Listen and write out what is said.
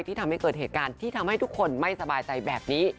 ทำให้เกิดเหตุการณ์ที่ทำให้ทุกคนไม่สบายใจแบบนี้